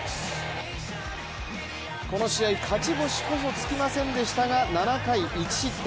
この試合、勝ち星こそつきませんでしたが７回１失点。